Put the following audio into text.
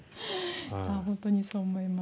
本当にそう思います。